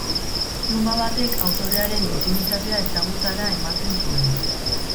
Luma batek autorearen intimitatea ezagutara ematen zuen.